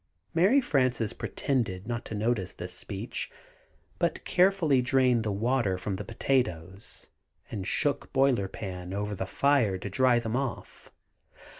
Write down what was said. Mary Frances pretended not to notice this speech, but carefully drained the water from the potatoes, and shook Boiler Pan over the fire to dry them off.